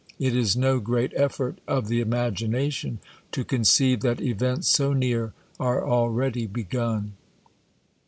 It is no great effort of the imagination to conceive that events so near are already begun.